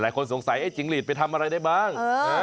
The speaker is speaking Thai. สงสัยไอ้จิงหลีดไปทำอะไรได้บ้าง